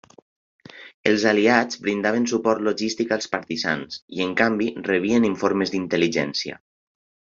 Els Aliats brindaven suport logístic als partisans i en canvi rebien informes d'intel·ligència.